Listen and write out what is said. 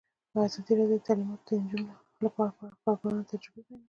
ازادي راډیو د تعلیمات د نجونو لپاره په اړه د کارګرانو تجربې بیان کړي.